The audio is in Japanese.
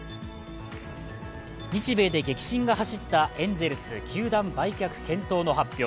日米で激震が走ったエンゼルス球団売却検討の発表。